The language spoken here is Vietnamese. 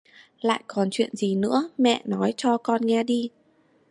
Lại còn chuyện gì nữa Mẹ nói cho con nghe đi